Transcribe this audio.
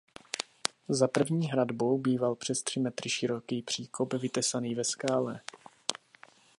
Za první hradbou býval přes tři metry široký příkop vytesaný ve skále.